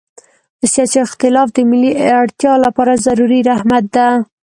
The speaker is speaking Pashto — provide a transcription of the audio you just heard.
سیاسي اختلاف د ملي اړتیا لپاره ضروري رحمت ده.